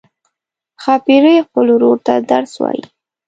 ښاپیرۍ خپل ورور ته درس وايي.